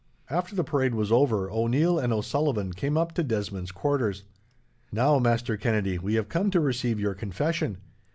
After the parade was over, O'Neil and O'Sullivan came up to Desmond's quarters. "Now, Master Kennedy, we have come to receive your confession.